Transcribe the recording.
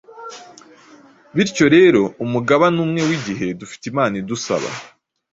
Bityo rero, umugabane umwe w’igihe dufite Imana idusaba,